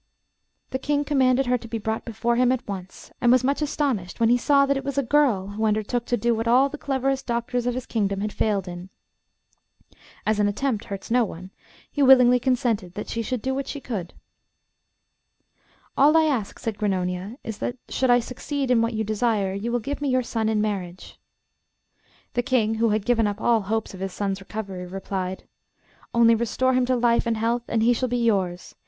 The King commanded her to be brought before him at once, and was much astonished when he saw that it was a girl who undertook to do what all the cleverest doctors of his kingdom had failed in. As an attempt hurts no one, he willingly consented that she should do what she could. 'All I ask,' said Grannonia, 'is that, should I succeed in what you desire, you will give me your son in marriage.' The King, who had given up all hopes of his son's recovery, replied: 'Only restore him to life and health and he shall be yours.